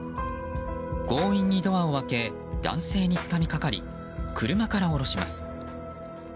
強引にドアを開け男性につかみかかり車から降ろします。